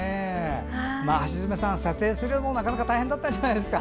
橋爪さん、撮影するのもなかなか大変だったんじゃないですか。